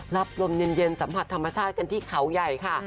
รับลมเย็นสัมผัสธรรมชาติกันที่เขาใหญ่ค่ะ